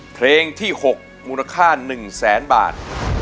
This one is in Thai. เพลงที่๖มูลค่า๑แสนบาท